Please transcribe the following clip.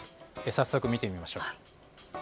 早速見てみましょう。